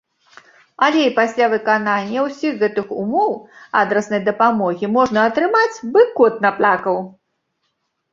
Але і пасля выканання ўсіх гэтых ўмоў адраснай дапамогі можна атрымаць бы кот наплакаў!